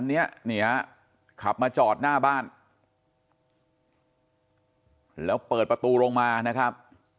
อันนี้เนี่ยขับมาจอดหน้าบ้านแล้วเปิดประตูลงมานะครับ